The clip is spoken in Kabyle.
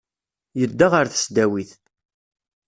Yedda ɣer tesdawit.